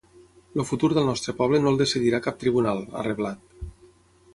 El futur del nostre poble no el decidirà cap tribunal, ha reblat.